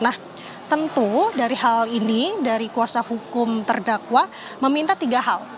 nah tentu dari hal ini dari kuasa hukum terdakwa meminta tiga hal